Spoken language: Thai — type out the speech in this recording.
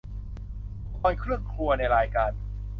อุปกรณ์เครื่องครัวในรายการ